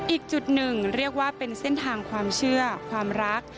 อีกจุดหนึ่งเรียกว่าเป็นเส้นทางความเชื่อความรัก